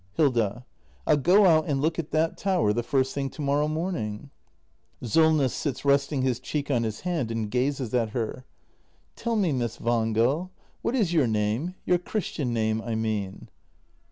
Hilda. I'll go out and look at that tower the first thing to morrow morning. Solness. [Sits resting his cheek on his hand, and gazes at her.] Tell me, Miss Wangel — what is your name ? Your Christian name, I mean